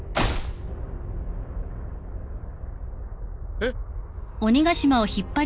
えっ？